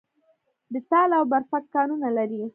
د تاله او برفک کانونه لري